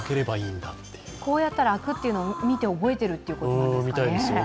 こうやったら開くというのを見て覚えてるってことですかね。